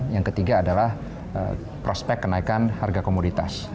yang ketiga adalah prospek kenaikan harga komoditas